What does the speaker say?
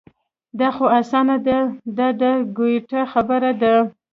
دا خو اسانه ده دا د ګویته خبره ده.